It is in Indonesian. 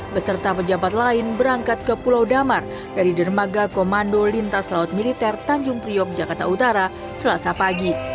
beserta pejabat lain berangkat ke pulau damar dari dermaga komando lintas laut militer tanjung priok jakarta utara selasa pagi